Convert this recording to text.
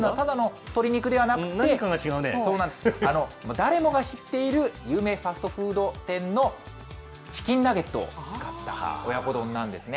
誰もが知っている有名ファストフード店のチキンナゲットを使った親子丼なんですね。